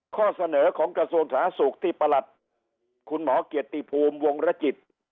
ข้อเสนอของกระทรวงสาธารณสุขที่ประหลัดคุณหมอเกียรติภูมิวงรจิต